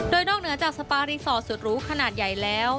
โดยนอกเหนือจากสปารีสอร์ทสุดหรูขนาดใหญ่แล้ว